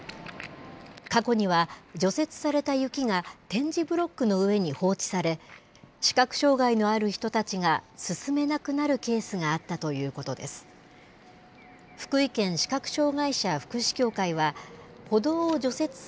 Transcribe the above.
過去には、除雪された雪が点字ブロックの上に放置され、視覚障害のある人たちが進めなくなるケースがあったということです。